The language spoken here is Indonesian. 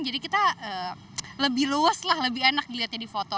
jadi kita lebih luas lebih enak dilihat di foto